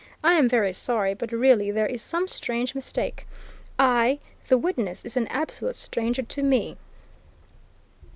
I am very sorry, but, really, there is some strange mistake I the witness is an absolute stranger to me!"